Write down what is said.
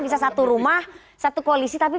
bisa satu rumah satu koalisi tapi